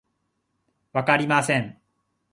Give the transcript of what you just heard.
わかりません